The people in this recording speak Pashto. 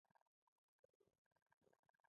دال څنګه پخیږي؟